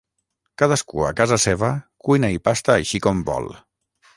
Cadascú, a casa seva, cuina i pasta així com vol.